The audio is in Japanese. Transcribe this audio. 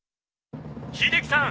秀樹さん